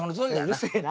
うるせえな！